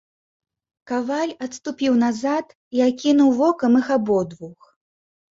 Каваль адступіў назад і акінуў вокам іх абодвух.